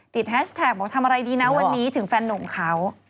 แฮชแท็กบอกทำอะไรดีนะวันนี้ถึงแฟนนุ่มเขา